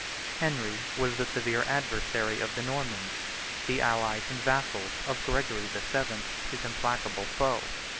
Henry was the severe adversary of the Normans, the allies and vassals of Gregory the Seventh, his implacable foe.